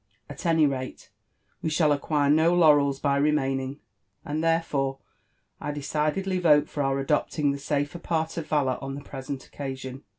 At any rale, we shall acquire no laurels by remaining ; and therefore I decidedly vole for our adopting the safer part of valour on the present occasion.